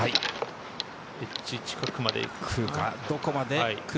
エッジ近くまで行くか。